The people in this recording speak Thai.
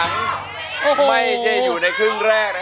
มาดูกันครับ